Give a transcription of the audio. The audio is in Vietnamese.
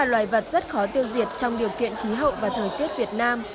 là loài vật rất khó tiêu diệt trong điều kiện khí hậu và thời tiết việt nam